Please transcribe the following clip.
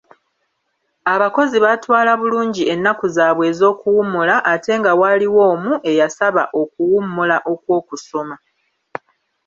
Abakozi baatwala bulungi ennaku zaabwe ez’okuwummula ate nga waliwo omu eyasaba okuwummula olwokusoma.